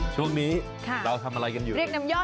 ช่วงนี้เราทำอะไรกันอยู่